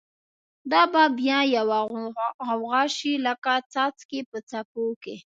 دا به بیا یوه غوغا شی، لکه څاڅکی په څپو کی